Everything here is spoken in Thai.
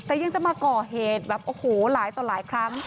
แต่ยังจะมาก่อเหตุแบบโอ้โหหลายต่อหลายครั้ง